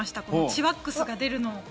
チワックスが出るのを。